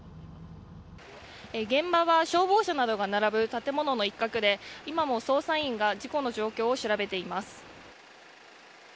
現場は消防車などが並ぶ建物の一角で、今も捜査員が事故の状況を調べています。